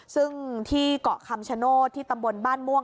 ซึ่งที่เกาะคำชโนธที่ตำบลบ้านม่วง